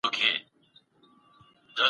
که ذهن دي ارام وي ښه لیکنه کوې.